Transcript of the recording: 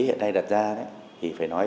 hiện nay đặt ra thì phải nói